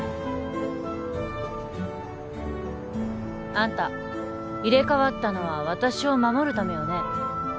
あんた入れ替わったのは私を守るためよね？